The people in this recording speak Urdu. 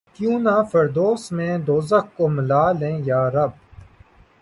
کیوں نہ فردوس میں دوزخ کو ملا لیں یارب!